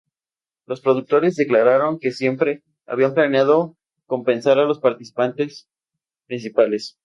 Los productores declararon que siempre habían planeado compensar a los participantes principales.